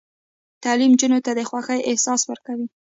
تعلیم نجونو ته د خوښۍ احساس ورکوي.